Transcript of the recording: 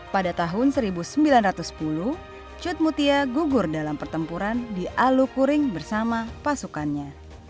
pada tahun seribu sembilan ratus sepuluh cut mutia gugur dalam pertempuran di alukuring bersama pasukannya